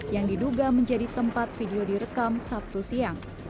yang diduga menjadi tempat video direkam sabtu siang